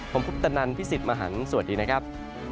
ผมพุทธนันตร์พี่สิทธิ์มหังสวัสดีนะครับ